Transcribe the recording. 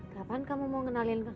kapan kamu mau kenalin